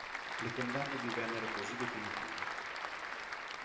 Le condanne divennero così definitive.